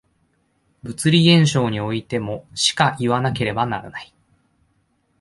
物理現象においてもしかいわなければならない。